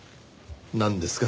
なんですか？